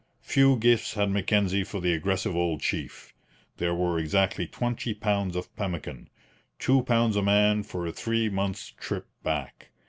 Few gifts had Mackenzie for the aggressive old chief. There were exactly twenty pounds of pemmican two pounds a man for a three months' trip back.